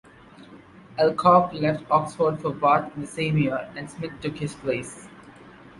Alcock left Oxford for Bath in the same year, and Smith took his place.